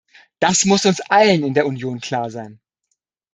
Das muss uns allen in der Union klar sein.